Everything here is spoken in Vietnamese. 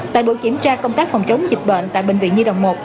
tại buổi kiểm tra công tác phòng chống dịch bệnh tại bệnh viện nhi đồng một